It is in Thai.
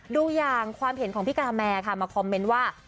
ดูอย่างความเห็นของพี่กาแมค่ะมาคอมเมนต์ว่า